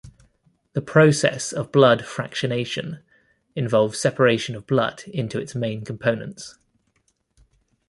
The process of blood fractionation involves separation of blood into its main components.